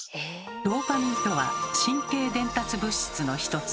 ドーパミンとは神経伝達物質の一つ。